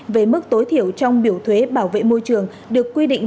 về mức tối thiểu trong biểu thuế bảo vệ môi trường được quy định